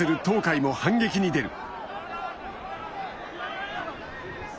東海も、反撃に出る。